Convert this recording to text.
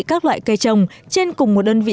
các loại cây trồng trên cùng một đơn vị